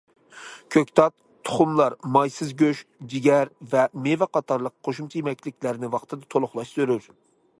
كۆكتات، تۇخۇملار، مايسىز گۆش، جىگەر ۋە مېۋە قاتارلىق قوشۇمچە يېمەكلىكلەرنى ۋاقتىدا تولۇقلاش زۆرۈر.